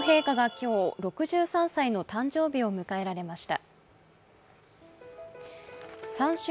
今日６３歳の誕生日を迎えられました。